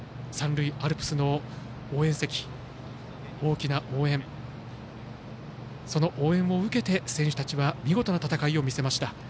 三塁アルプスの応援席大きな応援その応援を受けて、選手たちは見事な戦いを見せました。